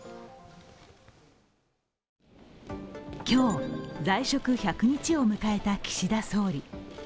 今日、在職１００日を迎えた岸田総理。